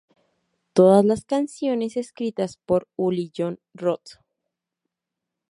Todas las canciones escritas por Uli Jon Roth.